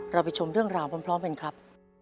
ไปชมเรื่องราวพร้อมกันครับ